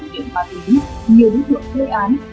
thủ điện ma túy nhiều đối tượng gây án